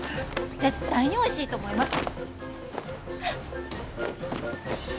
絶対においしいと思います！